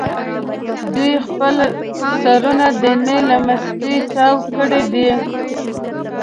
دوی خپل سرونه د نیل له مستۍ تاو کړي دي.